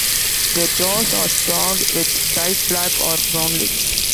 Their jaws are strong with tight black or brown lips.